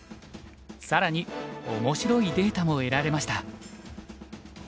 更に面白いデータも得られました。